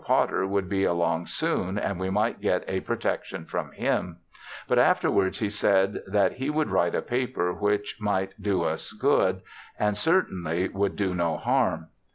Potter would be along soon and we might get a protection from him, but afterwards he said that he would write a paper which might do us good, and certainly would do no harm.